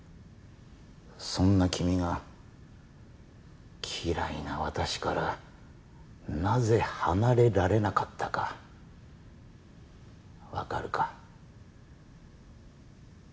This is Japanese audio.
そんな君が嫌いな私からなぜ離れられなかったかわかるか？